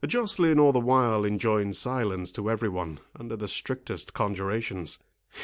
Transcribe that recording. Joceline all the while enjoined silence to every one, under the strictest conjurations.